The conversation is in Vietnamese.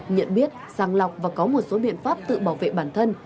nhận biết sàng lọc và có một số biện pháp tự bảo vệ bản thân